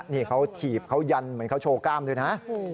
นี่เขาถีบเขายันเหมือนเขาโชว์กล้ามด้วยนะ